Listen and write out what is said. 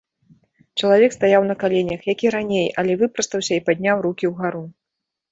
Чалавек стаяў на каленях, як і раней, але выпрастаўся і падняў рукі ўгару.